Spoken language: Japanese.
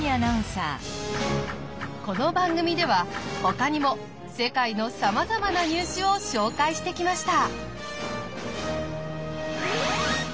この番組ではほかにも世界のさまざまな入試を紹介してきました。